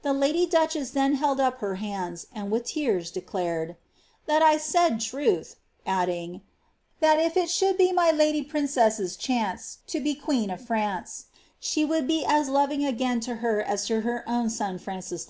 The lady duchen then held up her hands, and with tears declared, ^ that I said truth ;^ adding, that if it should be my lady princesses chance to be qneen of France, slie would be as loving again to her as to her own son Fianris 1.'